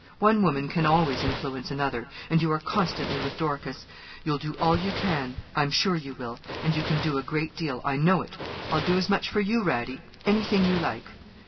One woman can always influence another, and you are constantly with Dorcas. You'll do all you can; I'm sure you will; and you can do a great deal. I know it; I'll do as much for you, Radie! Anything you like.'